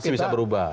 masih bisa berubah